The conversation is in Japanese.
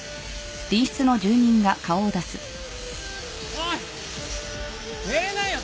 おい寝れないよ！